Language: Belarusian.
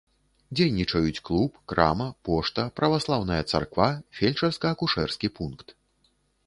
Дзейнічаюць клуб, крама, пошта, праваслаўная царква, фельчарска-акушэрскі пункт.